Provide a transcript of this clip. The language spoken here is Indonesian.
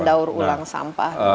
mendaur ulang sampah